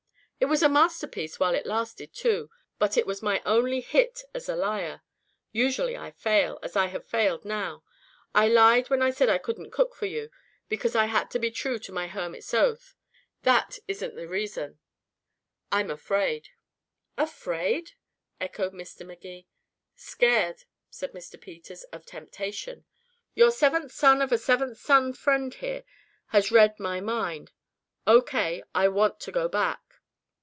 It was a masterpiece while it lasted, too. But it was my only hit as a liar. Usually I fail, as I have failed now. I lied when I said I couldn't cook for you because I had to be true to my hermit's oath. That isn't the reason. I'm afraid." "Afraid?" echoed Mr. Magee. "Scared," said Mr. Peters, "of temptation. Your seventh son of a seventh son friend here has read my palm O. K. I want to go back.